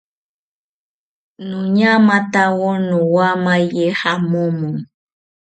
Noñamatawo nowamaye jamomo